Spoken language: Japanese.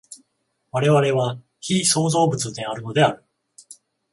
我々は被創造物であるのである。